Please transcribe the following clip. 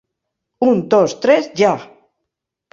Un, dos, tres, ja!